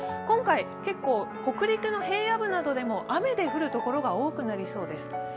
今回、結構北陸の平野部などでも雨で降るところが多くなりそうです。